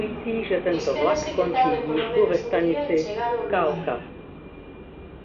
Espérase que tarden polo menos un día en chegar ao lugar.